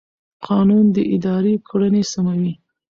قانون د ادارې کړنې سموي.